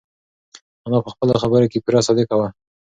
انا په خپلو خبرو کې پوره صادقه وه.